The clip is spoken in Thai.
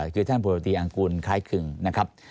คือท่านโรตีอังกูลคล้ายครึ่งนะครับ